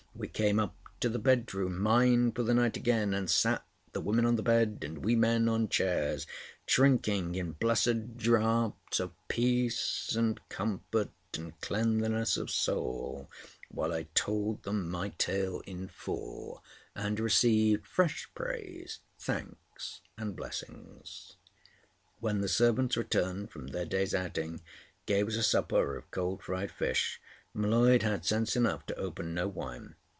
We came up to the bedroom—mine for the night again—and sat, the women on the bed, and we men on chairs, drinking in blessed draughts of peace and comfort and cleanliness of soul, while I told them my tale in full, and received fresh praise, thanks, and blessings. When the servants, returned from their day's outing, gave us a supper of cold fried fish, M'Leod had sense enough to open no wine.